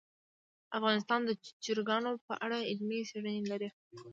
افغانستان د چرګانو په اړه علمي څېړنې لري.